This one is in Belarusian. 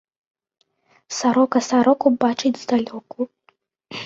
Сарока сароку бачыць здалёку